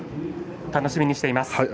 楽しみにしています。